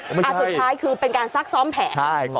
โอ้โหโอ้โห